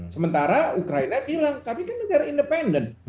sementara ukraina bilang kami kan negara independen